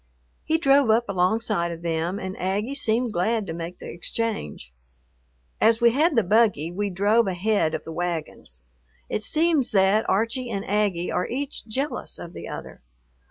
He drove up alongside of them, and Aggie seemed glad to make the exchange. As we had the buggy, we drove ahead of the wagons. It seems that Archie and Aggie are each jealous of the other.